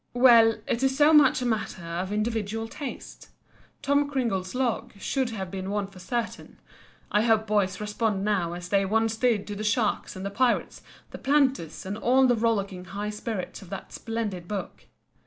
Well, it is so much a matter of individual taste. "Tom Cringle's Log" should have one for certain. I hope boys respond now as they once did to the sharks and the pirates, the planters, and all the rollicking high spirits of that splendid book.